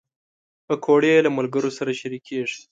پکورې له ملګرو سره شریکېږي